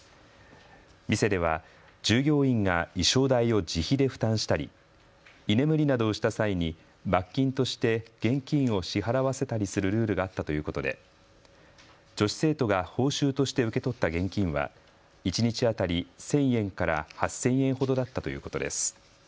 店では従業員が衣装代を自費で負担したり居眠りなどをした際に罰金として現金を支払わせたりするルールがあったということで女子生徒が報酬として受け取った現金は一日当たり１０００円から８０００円ほどだったということです。